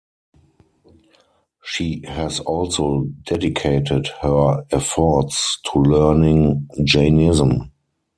She has also dedicated her efforts to learning Jainism.